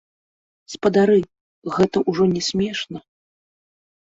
Спадары, гэта ўжо не смешна.